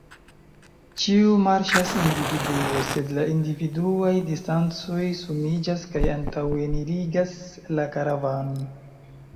Ĉiu marŝas individue, sed la individuaj distancoj sumiĝas kaj antaŭenirigas la karavanon.